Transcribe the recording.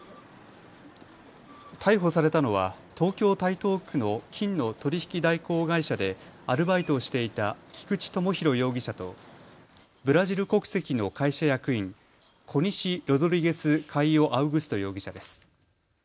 逮捕されたのは東京台東区の金の取引代行会社でアルバイトをしていた菊地友博容疑者とブラジル国籍の会社役員、コニシ・ロドリゲス・カイオ・アウグスト容疑者です。